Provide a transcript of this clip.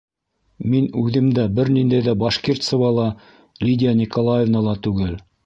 Мин үҙем дә бер ниндәй ҙә Башкирцева ла, Лидия Николаевна ла түгел.